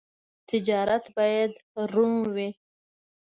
تجارت باید روڼ وي.